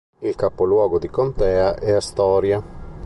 Il capoluogo di contea è Astoria.